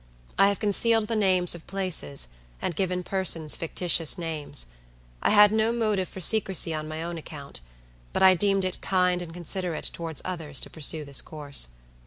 I have concealed the names of places, and given persons fictitious names. I had no motive for secrecy on my own account, but I deemed it kind and considerate towards others to pursue this course.